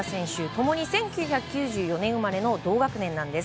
共に１９９４年生まれの同学年なんです。